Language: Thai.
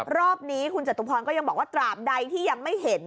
รอบนี้คุณจตุพรก็ยังบอกว่าตราบใดที่ยังไม่เห็น